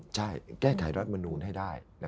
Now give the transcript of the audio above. ใช่แก้ไขรัฐมนูลให้ได้